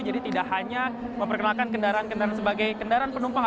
jadi tidak hanya memperkenalkan kendaraan kendaraan sebagai kendaraan penumpang